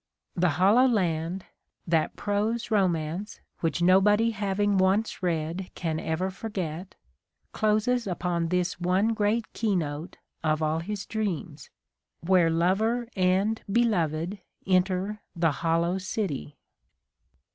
The Hollow Land, that prose romance which nobody having once read can ever forget, closes upon this one great keynote of all his dreams, where lover and beloved enter the "Hollow City."